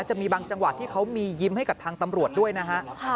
จะมีบางจังหวะที่เขามียิ้มให้กับทางตำรวจด้วยนะฮะ